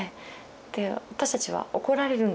で私たちは怒られるんだと。